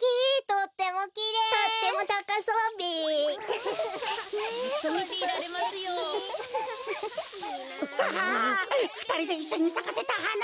ああっふたりでいっしょにさかせたはなが！